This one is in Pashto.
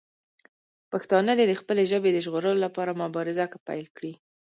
پښتانه دې د خپلې ژبې د ژغورلو مبارزه پیل کړي.